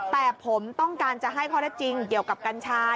แต่ผมต้องการจะให้ข้อได้จริงเกี่ยวกับกัญชา